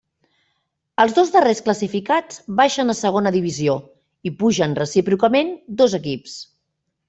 Els dos darrers classificats baixen a Segona Divisió i pugen recíprocament dos equips.